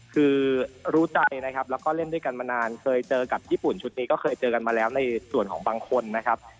คือรู้ใจนะครับแล้วก็เล่นด้วยกันมานานเคยเจอกับญี่ปุ่นชุดนี้ก็เคยเจอกันมาแล้วในส่วนของบางคนนะครับ